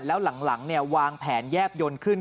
แล้วหลังวางแผนแยบยนต์ขึ้น